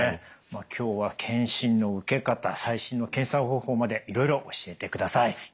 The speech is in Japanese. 今日は検診の受け方最新の検査方法までいろいろ教えてください。